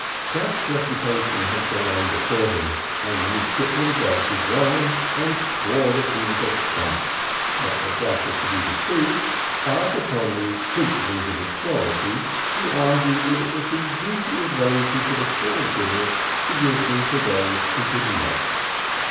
Jack's reputation had gone before him, and the midshipmen drank his wine and swore he was a trump. Not that Jack was to be deceived, but upon the principles of equality he argued that it was the duty of those who could afford dinners to give them to those who could not.